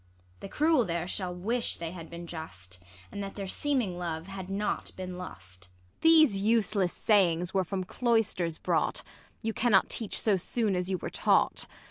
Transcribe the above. The cruel there shall Avish they had been just, And that their seeming love had not been lust. Ang. These useless sayings were from cloisters brought : You cannot teach so soon as you were taught.